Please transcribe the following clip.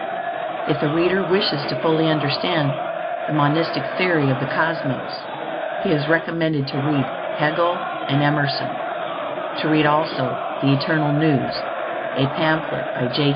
If the reader wishes to fully understand the monistic theory of the cosmos, he is recommended to read Hegel and Emerson; to read also "The Eternal News," a pamphlet by J.